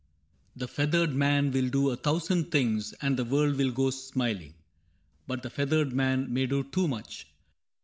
^^ The feathered man will do a thousand things And the world go smiling ; but the feathered man May do too much.